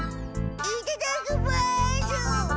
いただきます！